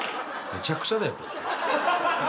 めちゃくちゃだよこいつ。